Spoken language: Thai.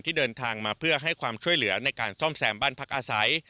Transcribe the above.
เดินทางมาเพื่อให้ความช่วยเหลือในการซ่อมแซมบ้านพักอาศัย